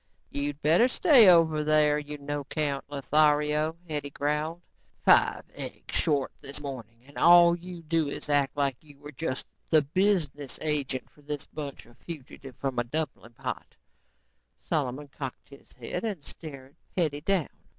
"You'd better stay over there, you no account Lothario," Hetty growled. "Five eggs short this morning and all you do is act like you were just the business agent for this bunch of fugitives from a dumpling pot." Solomon cocked his head and stared Hetty down.